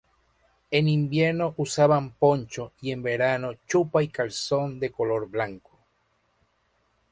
En invierno usaban poncho y en verano chupa y calzón de color blanco.